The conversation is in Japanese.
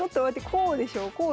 こうでしょ？